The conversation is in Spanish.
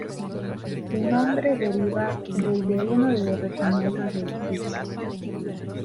Su nombre deriva del de uno de los regimientos del Sich.